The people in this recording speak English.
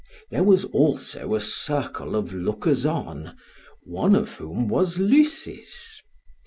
There was also a circle of lookers on, one of whom was Lysis.